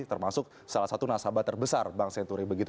termasuk salah satu nasabah terbesar bank senturi begitu